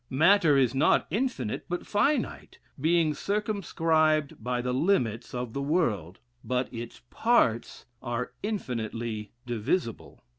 Matter is not infinite, but finite, being circumscribed by the limits of the world; but its parts are infinitely divisible.